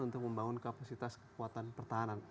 untuk membangun kapasitas kekuatan pertahanan